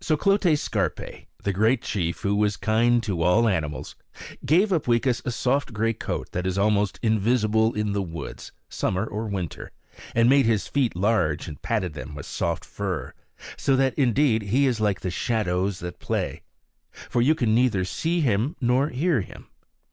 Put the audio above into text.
So Clote Scarpe, the great chief who was kind to all animals, gave Upweekis a soft gray coat that is almost invisible in the woods, summer or winter, and made his feet large, and padded them with soft fur; so that indeed he is like the shadows that play, for you can neither see nor hear him.